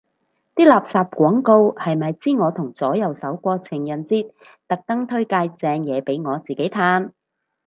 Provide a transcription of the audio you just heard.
啲垃圾廣告係咪知我同左右手過情人節，特登推介正嘢俾我自己嘆